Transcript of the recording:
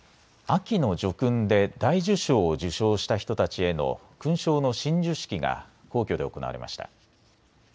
秋の叙勲で大綬章を受章した人たちへの勲章の親授式が皇居で行われました。